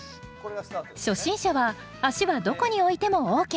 初心者は足はどこに置いてもＯＫ。